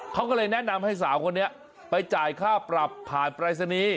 เขาก็เลยแนะนำให้สาวคนนี้ไปจ่ายค่าปรับผ่านปรายศนีย์